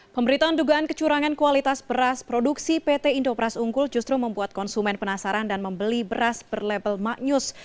pemberitaan dugaan kecurangan kualitas beras produksi pt indopras unggul justru membuat konsumen penasaran dan membeli beras berlabel maknyus